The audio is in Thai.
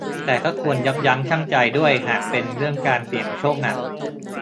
แต่ก็ควรยับยั้งชั่งใจด้วยหากเป็นเรื่องการเสี่ยงโชคหนัก